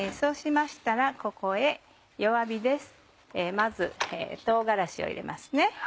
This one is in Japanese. まず唐辛子を入れますね。